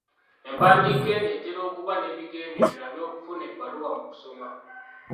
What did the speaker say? Empandiika eno etera okuba n'ebigendererwa by'okufuna ebbaluwa mu kusoma.